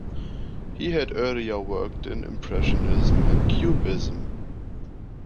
He had earlier worked in impressionism and cubism.